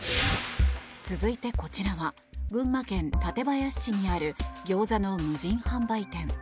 続いて、こちらは群馬県館林市にあるギョーザの無人販売店。